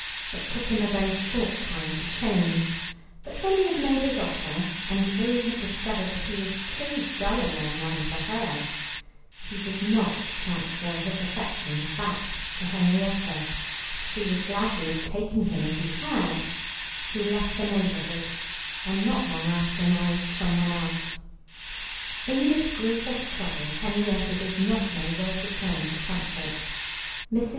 It took him a very short time to change, but when he had made his offer and Louie had discovered that he was too dull a young man for her, he did not transfer his affections back to Henrietta. She would gladly have taken him if he had. He left the neighbourhood, and not long after married someone else. In this grievous trouble Henrietta did not know where to turn for comfort. Mrs.